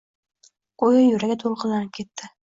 Go`yo yuragi to`lqinlanib ketdi